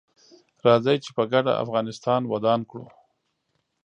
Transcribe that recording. راځي چې په ګډه افغانستان ودان کړو